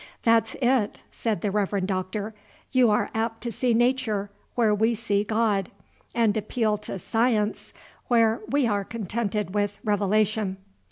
"That's it," said the Reverend Doctor; "you are apt to see 'Nature' where we see God, and appeal to 'Science' where we are contented with Revelation."